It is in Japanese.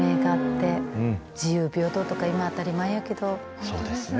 ほんとですね。